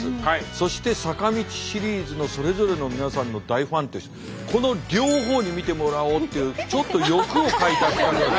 そして坂道シリーズのそれぞれの皆さんの大ファンという人この両方に見てもらおうっていうちょっと欲をかいた企画。